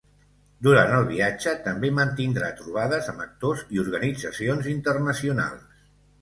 Durant el viatge, també mantindrà trobades amb actors i organitzacions internacionals.